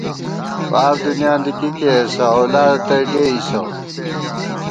فار دُنیاں دی کی کېئیسہ ، اؤلادہ تئ ڈېئیسہ